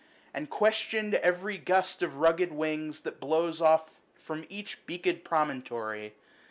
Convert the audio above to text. And questioned every gust of rugged wings That blows off from each beaked promontory.